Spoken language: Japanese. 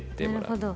なるほど。